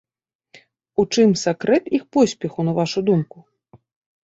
У чым сакрэт іх поспеху, на вашую думку?